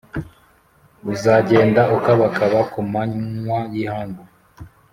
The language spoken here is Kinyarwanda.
Uzagenda ukabakaba ku manywa y’ihangu